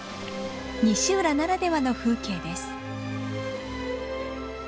西浦ならではの風景です。